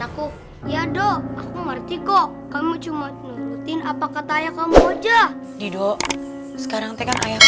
aku ya dong aku ngerti kok kamu cuma nungguin apa kata ayah kamu aja dido sekarang tekan ayahku